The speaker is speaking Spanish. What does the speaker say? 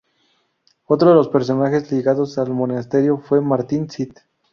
Otro de los personajes ligados al monasterio fue Martín Cid.